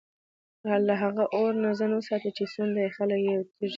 له هغه اور نه ځان وساتئ چي سوند ئې خلك او تيږي دي